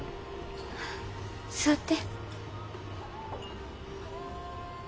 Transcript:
座って。